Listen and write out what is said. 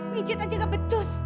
pijit aja gak becus